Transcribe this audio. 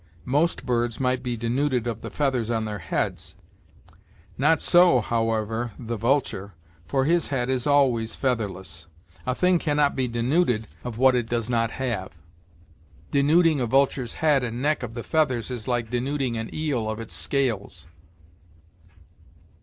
Most birds might be denuded of the feathers on their heads; not so, however, the vulture, for his head is always featherless. A thing can not be denuded of what it does not have. Denuding a vulture's head and neck of the feathers is like denuding an eel of its scales.